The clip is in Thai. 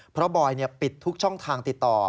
เพราะบอยปิดทุกช่องทางติดต่อ